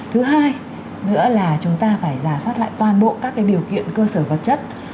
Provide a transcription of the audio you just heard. thứ hai nữa là chúng ta phải giả soát lại toàn bộ các điều kiện cơ sở vật chất